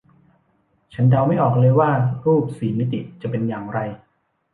ฉันเดาไม่ออกเลยว่ารูปสี่มิติจะเป็นอย่างไร